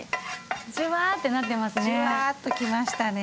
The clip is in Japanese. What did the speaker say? ジュワーってなってますね。